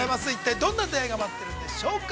◆一体どんな出会いが待っているんでしょうか。